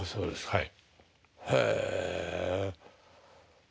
はい。